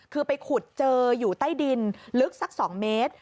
คือไปขุดเจออยู่ใต้ดินลึกสัก๒เมตร